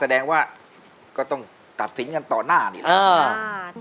แสดงว่าก็ต้องตัดสินกันต่อหน้านี่แหละ